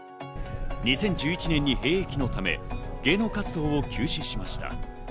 ２０１１年に兵役のため芸能活動を休止しました。